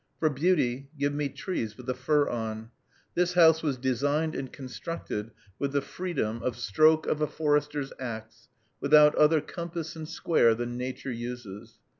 For beauty, give me trees with the fur on. This house was designed and constructed with the freedom of stroke of a forester's axe, without other compass and square than Nature uses.